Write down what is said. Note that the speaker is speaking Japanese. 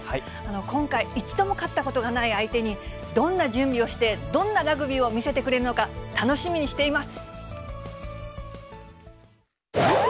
今回、一度も勝ったことがない相手に、どんな準備をして、どんなラグビーを見せてくれるのか、楽しみにしています。